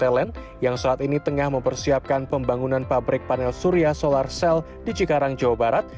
ini adalah langkah pt line yang saat ini tengah mempersiapkan pembangunan pabrik panel surya solar cell di cikarang jawa barat